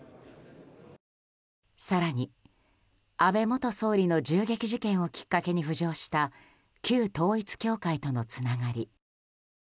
更に安倍元総理の銃撃事件をきっかけに浮上した旧統一教会とのつながり。